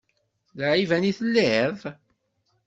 D aɛiban i telliḍ?